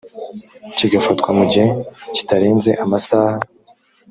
kigafatwa mu gihe kitarenze amasaha